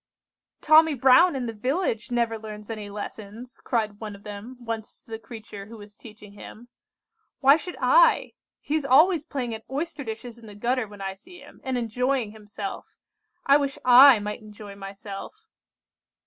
"'Tommy Brown in the village never learns any lessons,' cried one of them once to the creature who was teaching him, 'why should I? He is always playing at oyster dishes in the gutter when I see him, and enjoying himself. I wish I might enjoy myself!